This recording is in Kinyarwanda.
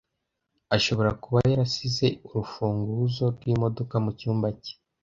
Ashobora kuba yarasize urufunguzo rwimodoka mucyumba cye.